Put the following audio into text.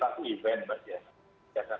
banyak yang kita lakukan di akhir tahun